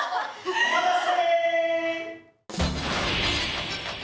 お待たせ。